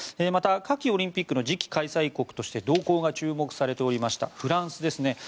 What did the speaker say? また、夏季オリンピックの次期開催国として動向が注目されておりましたフランスですね。